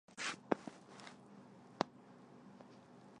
乌日人口变化图示